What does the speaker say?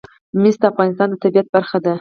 مس د افغانستان د طبیعت برخه ده.